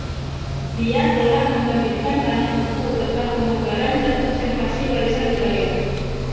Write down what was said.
Dia telah menerbitkan banyak buku tentang pemugaran dan konservasi warisan budaya.